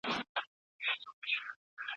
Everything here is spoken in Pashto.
تېر تاريخ موږ ته درس راکوي.